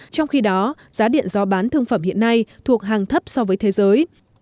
trong khi đó giá điện do bán thương phẩm hiện nay thuộc hàng thấp so với thế giới